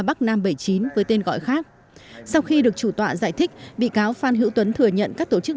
bắc nam bảy mươi chín với tên gọi khác sau khi được chủ tọa giải thích bị cáo phan hữu tuấn thừa nhận các tổ chức